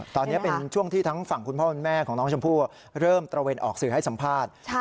ตอนนี้เป็นช่วงที่ทั้งฝั่งคุณพ่อคุณแม่ของน้องชมพู่เริ่มตระเวนออกสื่อให้สัมภาษณ์